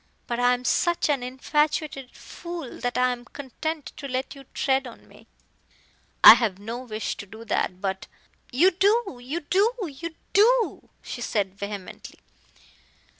But I am such an infatuated fool that I am content to let you tread on me." "I have no wish to do that, but " "You do you do you do!" she said, vehemently.